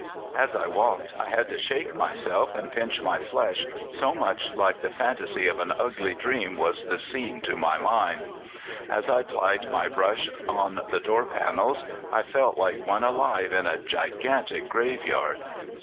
"As I walked I had to shake myself and pinch my flesh, so much like the phantasy of an ugly dream was the scene to my mind. As I plied my brush on the door panels, I felt like one alive in a gigantic graveyard.